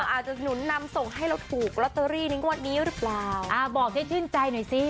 หนุนนำส่งให้เราถูกลอตเตอรี่ในงวดนี้หรือเปล่าอ่าบอกให้ชื่นใจหน่อยสิ